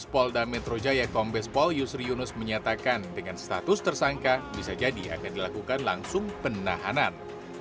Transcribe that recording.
polda metro jaya kombes pol yusri yunus menyatakan dengan status tersangka bisa jadi akan dilakukan langsung penahanan